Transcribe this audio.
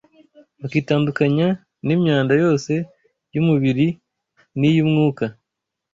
bakitandukanya n’imyanda yose y’umubiri n’iy’umwuka,